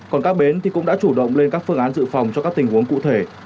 còn các bến thì cũng đã chủ động lên các phương án dự phòng cho các tình huống cụ thể